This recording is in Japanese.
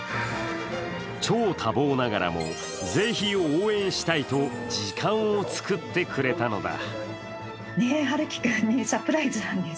超多忙ながらもぜひ応援したいと、時間を作ってくれたのだ。